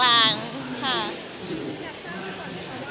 อยากทราบก่อนนะครับว่า